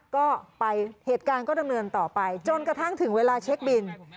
ก็ไปเหตุการณ์ก็ดำเนินต่อไปจนกระทั่งถึงเวลาเช็คบิน